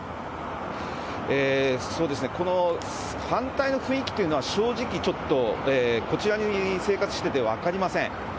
反対の雰囲気というのは、正直ちょっと、こちらに生活してて、分かりません。